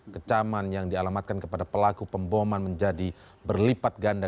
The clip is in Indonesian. kecaman yang dialamatkan kepada pelaku pemboman menjadi berlipat ganda